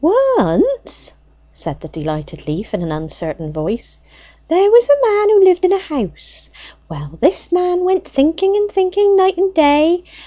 "Once," said the delighted Leaf, in an uncertain voice, "there was a man who lived in a house! Well, this man went thinking and thinking night and day.